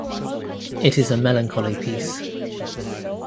It is a melancholy piece.